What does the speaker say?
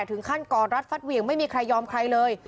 ถึงขั้นก่อนรัฐฟัดเวียงไม่มีใครยอมใครเลย